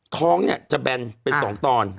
ท้องจะแบนเป็น๒ตอน